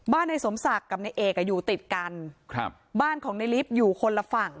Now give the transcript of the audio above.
ในสมศักดิ์กับในเอกอ่ะอยู่ติดกันครับบ้านของในลิฟต์อยู่คนละฝั่ง